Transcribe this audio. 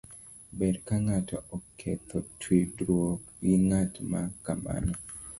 Ber ka ng'ato oketho tudruok gi ng'at ma kamano.